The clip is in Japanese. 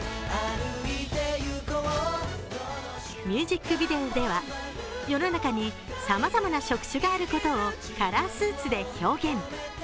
ミュージックビデオでは世の中にさまざまな職種があることをカラースーツで表現。